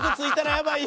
やばい！